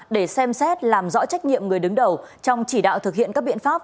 để xem xét làm rõ trách nhiệm người đứng đầu trong chỉ đạo thực hiện các biện pháp